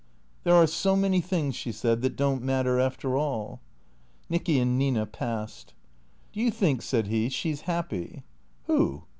" There are so many things," she said, " that don't matter, after all." Nicky and Nina passed. " Do vou think," said he, " she 's happy ?" "\Mio?